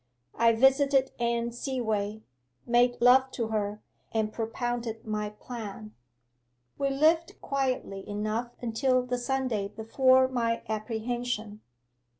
I visited Anne Seaway, made love to her, and propounded my plan. 'We lived quietly enough until the Sunday before my apprehension.